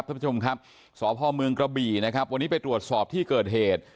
ท่านผู้ชมครับสพเมืองกระบี่นะครับวันนี้ไปตรวจสอบที่เกิดเหตุ